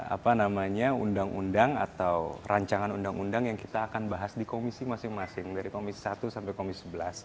apa namanya undang undang atau rancangan undang undang yang kita akan bahas di komisi masing masing dari komisi satu sampai komisi sebelas